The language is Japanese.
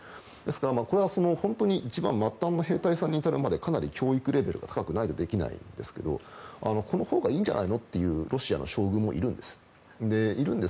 これは本当に一番末端な兵隊さんに至るまでかなり教育レベルが高くないとできないんですけどこのほうがいいんじゃないのっていうロシアの将軍もいるんです。